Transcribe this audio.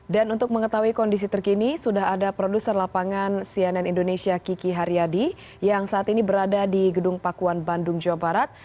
dan untuk mengetahui kondisi terkini sudah ada produser lapangan cnn indonesia kiki haryadi yang saat ini berada di gedung pakuan bandung jawa barat